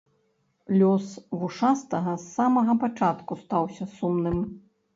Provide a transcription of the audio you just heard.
Лёс вушастага з самага пачатку стаўся сумным.